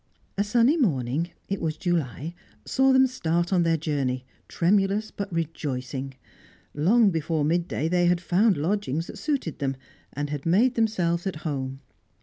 A sunny morning it was July saw them start on their journey, tremulous, but rejoicing. Long before midday they had found lodgings that suited them, and had made themselves at home.